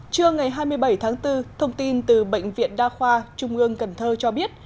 trưa ngày hai mươi bảy tháng bốn thông tin từ bệnh viện đa khoa trung ương cần thơ cho biết